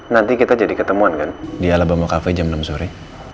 nanti kita jadi ketemuan kan di ala bamo cafe jam enam sore